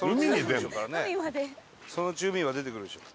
そのうち海は出てくるでしょ。